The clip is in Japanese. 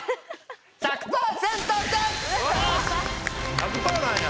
１００％なんや。